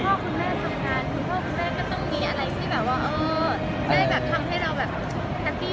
พ่อคุณแม่ก็ต้องมีอะไรที่ได้ธรรมให้แฟรปี้